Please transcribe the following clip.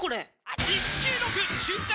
「１９６瞬間